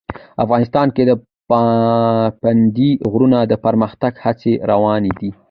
افغانستان کې د پابندی غرونه د پرمختګ هڅې روانې دي.